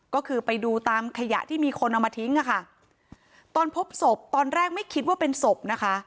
ก็คือไปดูตามขยะที่มีคนเอามาทิ้งอ่ะค่ะตอนพบศพตอนแรกไม่คิดว่าเป็นศพนะคะ